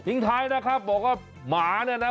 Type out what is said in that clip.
ท้ายนะครับบอกว่าหมาเนี่ยนะ